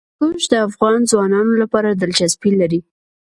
هندوکش د افغان ځوانانو لپاره دلچسپي لري.